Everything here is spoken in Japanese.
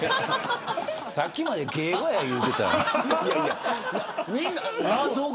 さっきまで敬語いうてたやん。